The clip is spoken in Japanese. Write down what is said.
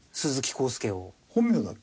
本名だっけ？